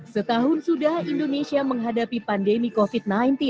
setahun sudah indonesia menghadapi pandemi covid sembilan belas